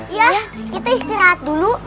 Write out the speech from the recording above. iya kita istirahat dulu